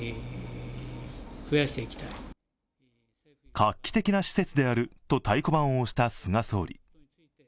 画期的な施設であると太鼓判を押した菅総理。